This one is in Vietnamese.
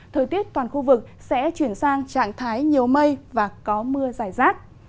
thời tiết toàn khu vực sẽ chuyển sang trạng thái nhiều mây và có mưa dài rác